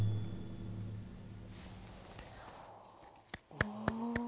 お。